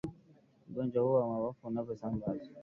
ugonjwa huu wa mapafu unavyosambazwa